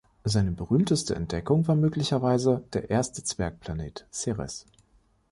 Seine berühmteste Entdeckung war möglicherweise der erste Zwergplanet, Ceres.